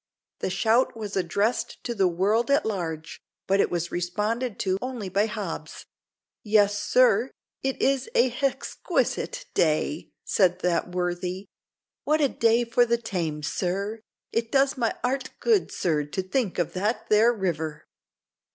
The shout was addressed to the world at large, but it was responded to only by Hobbs. "Yes, sir, it is a hexquisite day," said that worthy; "what a day for the Thames, sir! It does my 'art good, sir, to think of that there river."